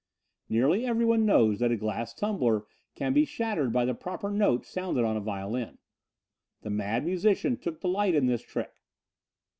Nearly everyone knows that a glass tumbler can be shattered by the proper note sounded on a violin. The Mad Musician took delight in this trick.